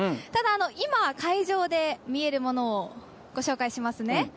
ただ、今、会場で見えるものをご紹介しますね。